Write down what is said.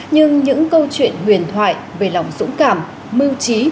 nhưng những câu chuyện huyền thoại về lòng dũng cảm mưu trí